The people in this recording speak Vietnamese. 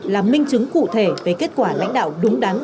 là minh chứng cụ thể về kết quả lãnh đạo đúng đắn